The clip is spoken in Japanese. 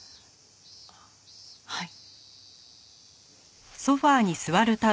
あっはい。